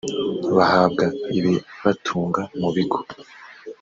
bahabwa ibibatunga mu bigo